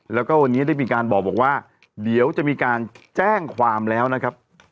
แล้วก็วันนี้ได้มีการบอกว่าเดี๋ยวจะมีการแจ้งความแล้วนะครับ